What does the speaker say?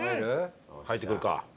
入ってくるか。